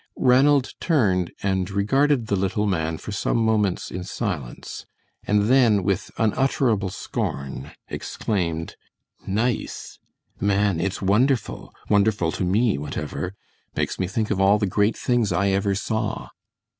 Ranald turned and regarded the little man for some moments in silence, and then, with unutterable scorn, exclaimed: "Nice! man, it's wonderful, wonderful to me whatever! Makes me think of all the great things I ever saw."